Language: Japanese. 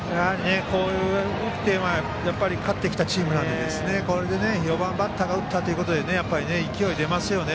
打って勝ってきたチームなので４番バッターが打ったというので勢いが出ますよね